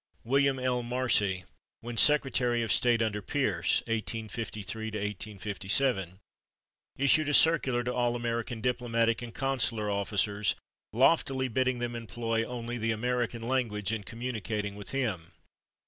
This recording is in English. William L. Marcy, when Secretary of State under Pierce (1853 57), issued a circular to all American diplomatic and consular officers, loftily bidding them employ only "the American language" in communicating with him.